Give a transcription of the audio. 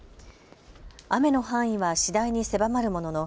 雨の範囲は次第に狭まるものの